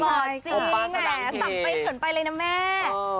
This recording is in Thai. หล่อจริงสัมไปเขินไปเลยนะแม่